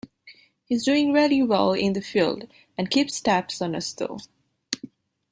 He's doing really well in the field and keeps tabs on us though.